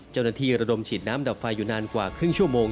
เจ้าหน้าที่ระดมฉีดน้ำดับไฟอยู่นานกว่าครึ่งชั่วโมง